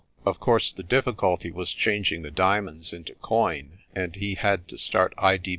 Of course the difficulty was changing the diamonds into coin, and he had to start I.